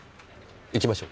行きましょう。